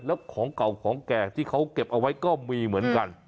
แล้วของเก่าของแก่ที่เขาเก็บเอาไว้ก็มีเหมือนกัน